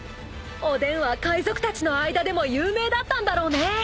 ［おでんは海賊たちの間でも有名だったんだろうね］